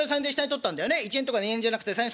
１円とか２円じゃなくて３円。